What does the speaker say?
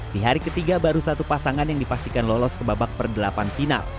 di hari ketiga baru satu pasangan yang dipastikan lolos ke babak perdelapan final